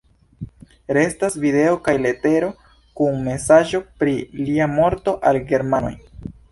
Restas video kaj letero kun mesaĝo pri lia morto al germanoj.